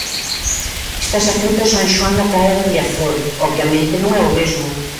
Estás afeito ao San Xoán na praia de Riazor, obviamente non é o mesmo.